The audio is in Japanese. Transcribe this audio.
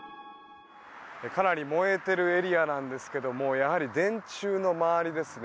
かなり燃えているエリアなんですけどもやはり電柱の周りですね。